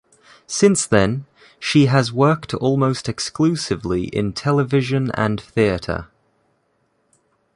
Since then, she has worked almost exclusively in television and theatre.